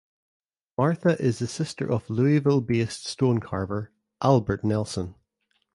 Martha is the sister of Louisville based stone carver Albert Nelson.